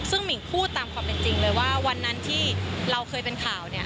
ซึ่งหมิ่งพูดตามความเป็นจริงเลยว่าวันนั้นที่เราเคยเป็นข่าว